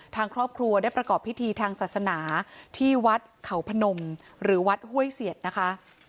ทางครอบครัวได้ประกอบพิธีทางศาสนาที่วัดเขาพนมหรือวัดห้วยเสียดนะคะ